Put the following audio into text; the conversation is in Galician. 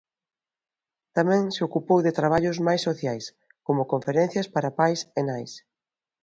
Tamén se ocupou de traballos máis sociais, como conferencias para pais e nais.